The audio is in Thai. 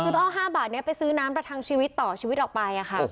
คือต้องเอา๕บาทนี้ไปซื้อน้ำประทังชีวิตต่อชีวิตออกไป